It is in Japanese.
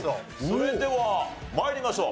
それでは参りましょう。